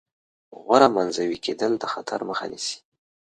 غوره منزوي کېدل د خطر مخه نیسي.